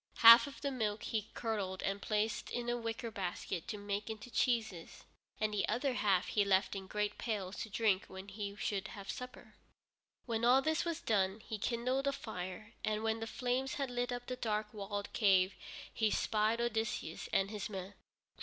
Half of the milk he curdled and placed in wicker baskets to make into cheeses, and the other half he left in great pails to drink when he should have supper. When all this was done, he kindled a fire, and when the flames had lit up the dark walled cave he spied Odysseus and his men.